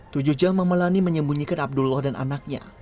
tujuh jam mama lani menyembunyikan abdullah dan anaknya